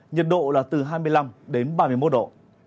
nhiệt độ là từ hai mươi năm đến ba mươi một độ